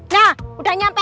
nah udah nyampe